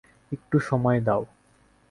একটু সময় দাও।